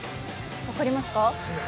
分かりますか？